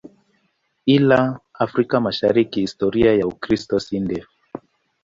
Ila Afrika Mashariki historia ya Ukristo si ndefu.